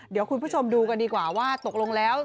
เดี๋ยวคุณผู้ชมดูกันดีกว่าว่าตกลงแล้ว